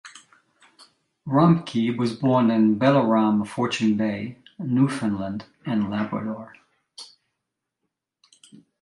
Rompkey was born in Belleoram, Fortune Bay, Newfoundland and Labrador.